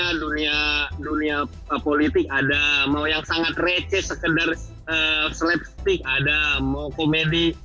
mau komedi yang agak satir terhadap apa namanya dunia dunia politik ada mau yang sangat receh sekedar slapstick ada mau komedi yang apa namanya